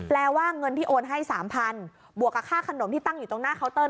ว่าเงินที่โอนให้๓๐๐๐บวกกับค่าขนมที่ตั้งอยู่ตรงหน้าเคานเตอร์